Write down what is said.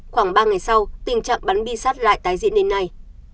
khoảng ba ngày sau tình trạng bắn bi sắt lại tái diện đến nay